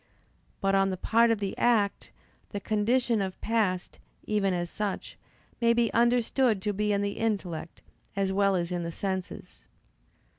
But on the part of the act, the condition of past, even as such, may be understood to be in the intellect, as well as in the senses.